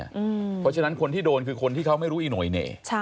เพราะฉะนั้นคนที่โดนคือคนที่เขาไม่รู้อีโหยเหน่